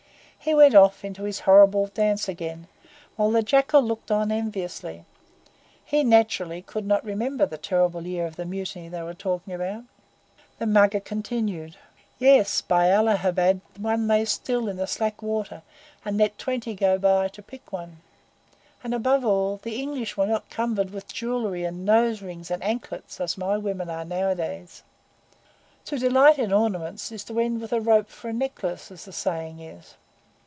He went off into his horrible dance again, while the Jackal looked on enviously. He naturally could not remember the terrible year of the Mutiny they were talking about. The Mugger continued: "Yes, by Allahabad one lay still in the slack water and let twenty go by to pick one; and, above all, the English were not cumbered with jewellery and nose rings and anklets as my women are nowadays. To delight in ornaments is to end with a rope for a necklace, as the saying is.